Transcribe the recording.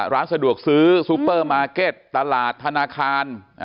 ร้านสะดวกซื้อซูเปอร์มาร์เก็ตตลาดธนาคาร